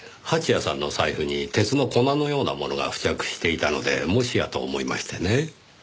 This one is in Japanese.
蜂矢さんの財布に鉄の粉のようなものが付着していたのでもしやと思いましてね。